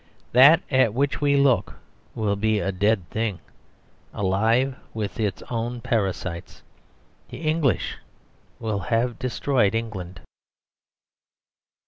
That at which we look will be a dead thing alive with its own parasites. The English will have destroyed England.